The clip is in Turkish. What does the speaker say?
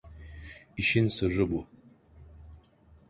İşin sırrı bu.